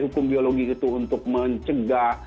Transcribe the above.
hukum biologi itu untuk mencegah